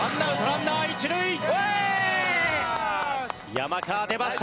山川出ました！